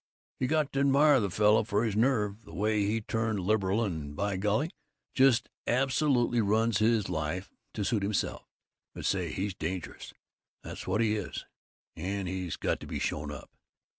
You got to admire the fellow for his nerve, the way he turned liberal and, by golly, just absolutely runs his life to suit himself, but say, he's dangerous, that's what he is, and he's got to be shown up."